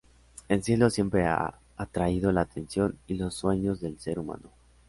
El cielo siempre ha atraído la atención y los sueños del ser humano.